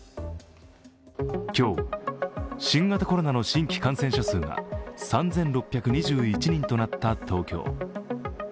今日、新型コロナの新規感染者数が３６２１人となった東京。